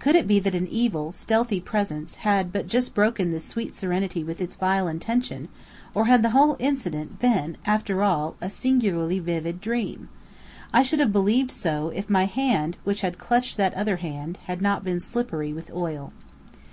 Could it be that an evil, stealthy presence had but just broken this sweet serenity with its vile intention, or had the whole incident been after all a singularly vivid dream? I should have believed so, if my hand which had clutched that other hand, had not been slippery with oil.